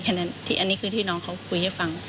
อันนี้คือที่น้องเขาคุยให้ฟัง